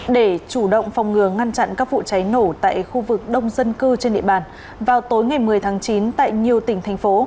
để chủ động phòng ngừa ngăn chặn các vụ cháy nổ tại khu vực đông dân cư trên địa bàn vào tối ngày một mươi tháng chín tại nhiều tỉnh thành phố